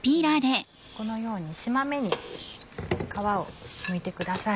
このように縞目に皮をむいてください。